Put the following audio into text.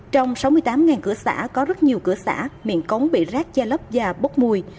trong sáu mươi tám cửa xã có rất nhiều cửa xã miệng cống bị rác che lấp và bốc mùi